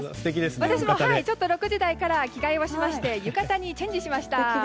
私も６時台から着替えをしまして浴衣にチェンジしました。